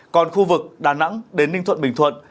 còn khu vực đà nẵng đến ninh thuận bình thuận